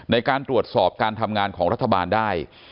ในการตรวจสอบการทำงานของรัฐบาลได้